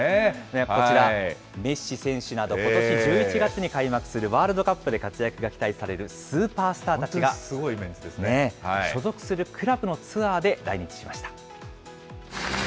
こちら、メッシ選手など、ことし１１月に開幕するワールドカップで活躍が期待されるスーパースターたちが、所属するクラブのツアーで来日しました。